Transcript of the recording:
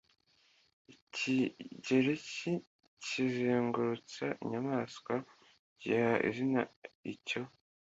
Ikigereki cyizengurutsa inyamaswa giha izina icyo